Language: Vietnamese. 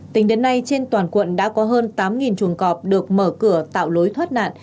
tính đến nay trên toàn quận đã có hơn tám chuồng cọp được mở cửa tạo lối thoát nạn